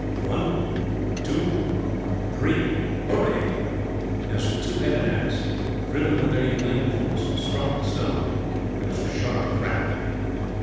"One, two, three hooray!" As the two headed axe, driven with their united force, struck the stone, there was a sharp crack.